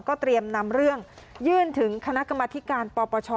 เตรียมนำเรื่องยื่นถึงคณะกรรมธิการปปช